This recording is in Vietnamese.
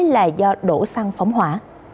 là do đổ xăng phóng hỏa